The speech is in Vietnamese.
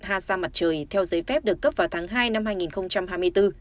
hà sa mặt trời theo giấy phép được cấp vào tháng hai năm hai nghìn hai mươi bốn